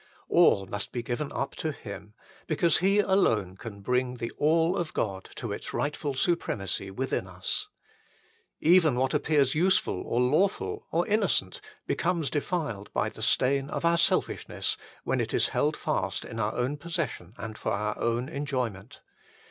All must be given up to Him, because He alone can bring the all of God to its rightful supremacy within us. Even what appears useful or lawful or innocent becomes defiled by the stain of our selfishness when it is held fast in our own possession and for our own enjoyment.